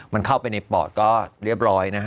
มันเข้าไปในปอดก็เรียบร้อยนะฮะ